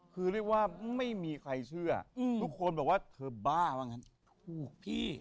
คือเรียกว่าไม่มีใครเชื่อทุกคนบอกว่าเธอบ้าว่างั้นถูกพี่